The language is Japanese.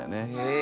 え。